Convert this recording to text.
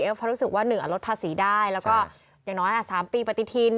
เพราะรู้สึกว่า๑ลดภาษีได้แล้วก็อย่างน้อย๓ปีปฏิทิน